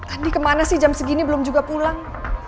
andi kemana sih jam segini belum juga pulang